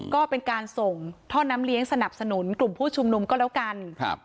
ก็เป็นการส่งท่อน้ำเลี้ยงสนับสนุนกลุ่มผู้ชุมนุมก็แล้วกันครับ